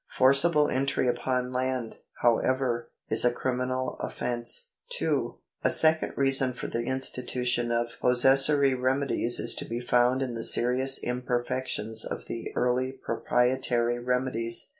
Forcible entry upon land, however, is a criminal offence. 2, A second reason for the institution of possessory remedies is to be found in the serious imperfections of the early proprietary remedies.